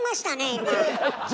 今。